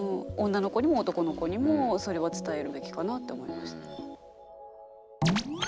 女の子にも男の子にもそれは伝えるべきかなって思いました。